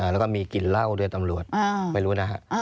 แล้วก็มีกินเหล้าด้วยตำรวจไม่รู้นะฮะ